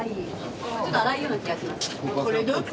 ちょっと粗いような気がします。